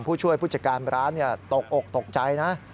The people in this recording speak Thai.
ผู้ช่วยผู้จัดการร้านตกอกตกใจนะ